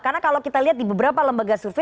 karena kalau kita lihat di beberapa lembaga survei